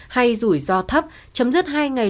hay rủi ro thấp chấm dứt hai ngày